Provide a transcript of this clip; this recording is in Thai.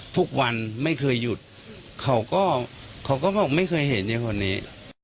ทุกวันไม่เคยหยุดเขาก็เขาก็บอกไม่เคยเห็นอย่างคนนี้